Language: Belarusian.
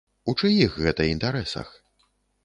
У чыіх гэта інтарэсах?